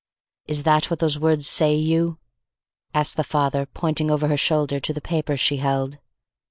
"Is that what those words say, you?" asked the father, pointing over her shoulder to the paper she held.